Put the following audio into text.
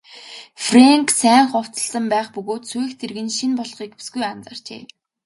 Фрэнк сайн хувцасласан байх бөгөөд сүйх тэрэг нь шинэ болохыг бүсгүй анзаарчээ.